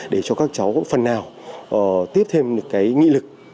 để cho các cháu có phần nào tiếp thêm cái nghị lực